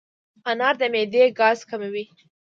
انار د معدې ګاز کموي.